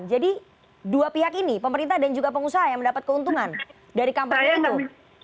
jadi dua pihak ini pemerintah dan juga pengusaha yang mendapat keuntungan dari kampenya itu